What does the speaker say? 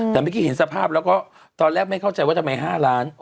แต่เมื่อกี้เห็นสภาพแล้วก็ตอนแรกไม่เข้าใจว่าทำไม๕ล้าน